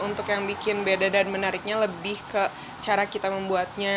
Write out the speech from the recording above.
untuk yang bikin beda dan menariknya lebih ke cara kita membuatnya